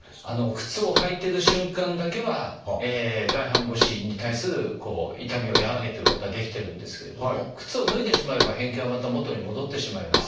靴を履いてる瞬間だけは外反母趾に対する痛みを和らげてることはできてるんですけれども靴を脱いでしまえば変形はまた元に戻ってしまいます。